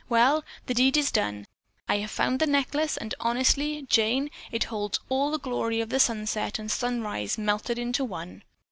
Well, the deed is done. I have found the necklace, and, honestly, Jane, it holds all of the glory of the sunset and sunrise melted into one.